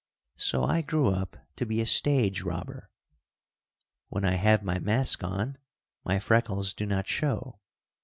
So I grew up to be a stage robber. When I have my mask on my freckles do not show.